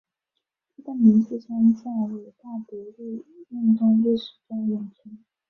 他的名字将在伟大独立运动历史中永存。